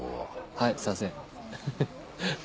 はいすいません。